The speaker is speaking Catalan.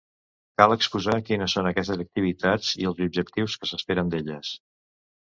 Cal exposar quines són aquestes activitats i els objectius que s'esperen d'elles.